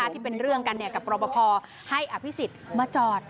ที่เป็นเรื่องกับรบพอให้อภิษฐมาจอด